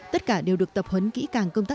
tất cả đều được tập huấn kỹ càng công tác